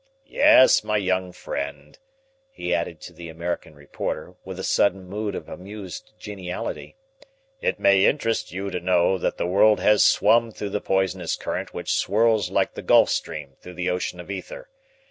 Yes, my young friend," he added to the American reporter, with a sudden mood of amused geniality, "it may interest you to know that the world has swum through the poisonous current which swirls like the Gulf Stream through the ocean of ether.